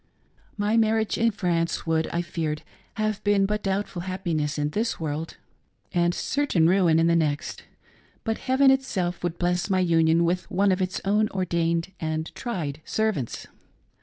My marriage in France would, I feared, have been but doubtful happiness in this world, and certain ruin in the next ; but heaven itself would bless my union with one of its own ordained and tried servants.